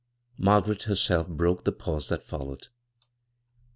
Margaret herself broke the pause that followed.